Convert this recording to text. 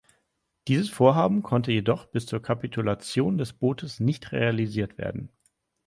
Dieses Vorhaben konnte jedoch bis zur Kapitulation des Bootes nicht realisiert werden.